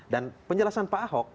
dan penjelasan pak ahok